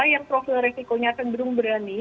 yang profil resikonya cenderung berani